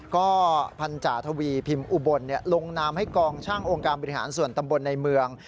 ก็พันธาทวีพิมพ์อุบลลงนามให้กองช่างองค์การบริหารส่วนตำบลในเมือง